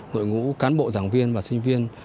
đội ngũ cán bộ giảng viên và sinh viên